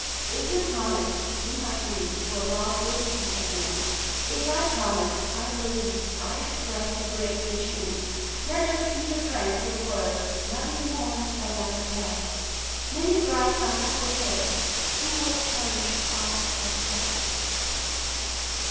If you promised, you might grieveFor lost liberty again:If I promised, I believeI should fret to break the chain. Let us be the friends we were, Nothing more but nothing less:Many thrive on frugal fareWho would perish of excess.